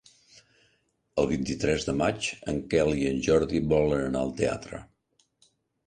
El vint-i-tres de maig en Quel i en Jordi volen anar al teatre.